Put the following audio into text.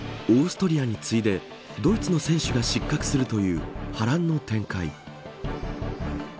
オーストリアに次いでドイツの選手が失格するという波乱の展開。